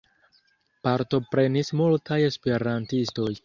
Partoprenis multaj esperantistoj.